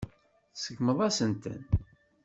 Tseggmeḍ-asen-ten.